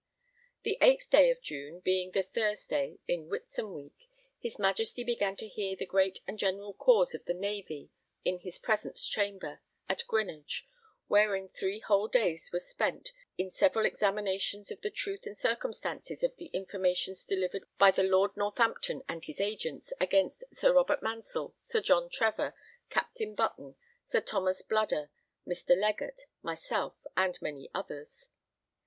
The 8th day of June, being the Thursday in Whitsun week, his Majesty began to hear the great and general cause of the Navy in his Presence Chamber at Greenwich, wherein three whole days was spent in several examinations of the truth and circumstances of the informations delivered by the Lord Northampton and his agents, against Sir Robert Mansell, Sir John Trevor, Captain Button, Sir Thomas Bludder, Mr. Legatt, myself and many others.